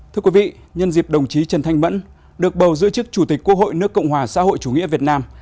thưa quý vị nhân dịp đồng chí trần thanh mẫn được bầu giữ chức chủ tịch quốc hội nước cộng hòa xã hội chủ nghĩa việt nam